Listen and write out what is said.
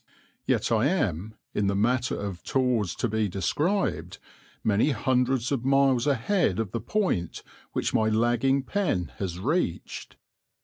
Yet I am, in the matter of tours to be described, many hundreds of miles ahead of the point which my lagging pen has reached.